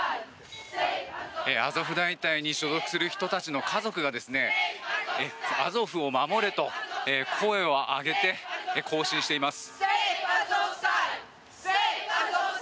アゾフ大隊に所属する人たちの家族がアゾフを守れと声を上げて行進しています。